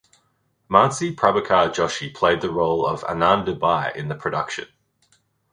Mansi Prabhakar Joshi played the role of Anandibai in the production.